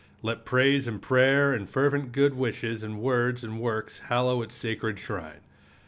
Let praise and prayer and fervent good wishes and words and works hallow its sacred shrine.